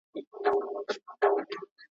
تاسو په ښه حالت سره خپله کورنۍ هڅوئ.